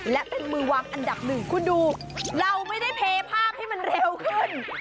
และเป็นมือวางอันดับหนึ่งคุณดูเราไม่ได้เพภาพให้มันเร็วขึ้น